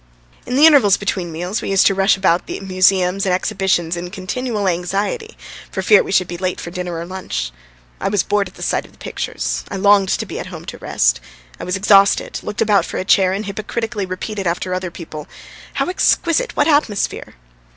In the intervals between meals we used to rush about the museums and exhibitions in continual anxiety for fear we should be late for dinner or lunch. I was bored at the sight of the pictures; I longed to be at home to rest; I was exhausted, looked about for a chair and hypocritically repeated after other people: "How exquisite, what atmosphere!"